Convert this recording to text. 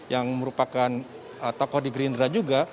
yang merupakan tokoh di gerindra juga